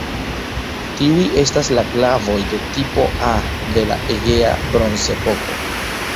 Tiuj estas la glavoj de "tipo A" de la Egea Bronzepoko.